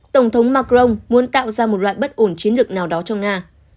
tổng thống macron muốn tạo ra một loại bất ổn chiến lược nào đó cho nga